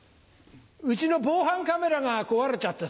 うちの防犯カメラが壊れちゃってさ。